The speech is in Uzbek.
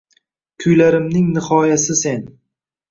Kuylarimning nihoyasi sen.